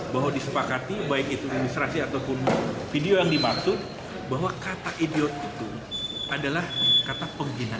bahwa disepakati baik itu administrasi ataupun video yang dimaksud bahwa kata idiot itu adalah kata penghinaan